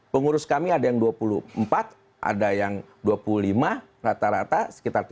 pengurus kami ada yang dua puluh empat ada yang dua puluh lima rata rata sekitar tiga puluh